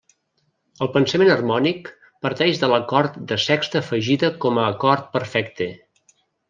El pensament harmònic parteix de l'acord de sexta afegida com a acord perfecte.